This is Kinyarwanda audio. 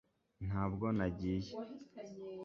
ntabwo nagiye